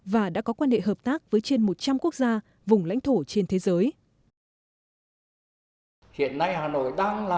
và đã có quan hệ hợp tác với trên một trăm linh quốc gia vùng lãnh thổ trên thế giới